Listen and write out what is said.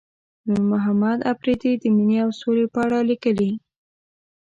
نورمحمد اپريدي د مينې او سولې په اړه ليکلي.